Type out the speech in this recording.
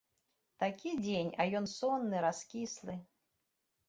Такі дзень, а ён сонны, раскіслы.